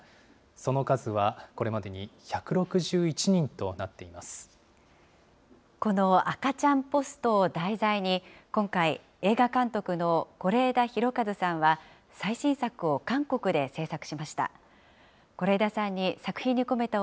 その数は、これまでに１６１人とこの赤ちゃんポストを題材に、今回、映画監督の是枝裕和さんは最新作を韓国で製作しました。